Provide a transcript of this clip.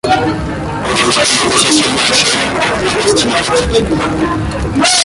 Le fauteuil est essentiellement en chêne, et de style gothique.